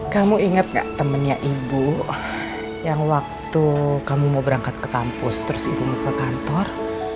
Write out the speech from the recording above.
kamu ingat gak temennya ibu yang waktu kamu mau berangkat ke kampus terus ibumu ke kantor